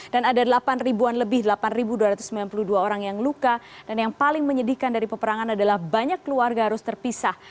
dan ada delapan dua ratus sembilan puluh dua orang yang luka dan yang paling menyedihkan dari peperangan adalah banyak keluarga harus terpisah